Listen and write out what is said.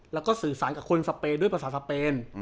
แล้วก็สื่อสารกับคนสเปนด้วยภาษาสเปน